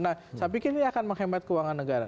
nah saya pikir ini akan menghemat keuangan negara